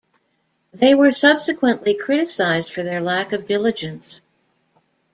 They were subsequently criticized for their lack of diligence.